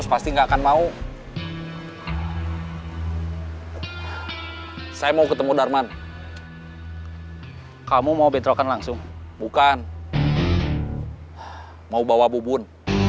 saya mau ketemu darman kamu mau betrakan langsung bukan mau bawa bubun